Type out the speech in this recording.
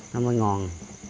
nó mới ngon